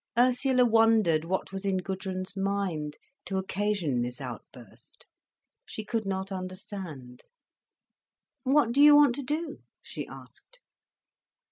Ursula wondered what was in Gudrun's mind, to occasion this outburst. She could not understand. "What do you want to do?" she asked.